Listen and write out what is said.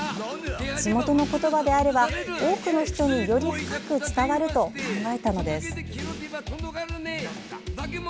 地元の言葉であれば多くの人により深く伝わると考えたのです。